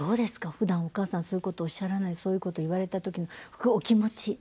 ふだんお母さんそういうことおっしゃらないそういうこと言われた時のお気持ち。